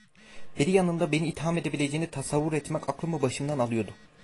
Beria’nın da beni itham edebileceğini tasavvur etmek aklımı başımdan alıyordu.